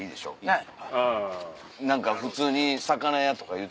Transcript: はい。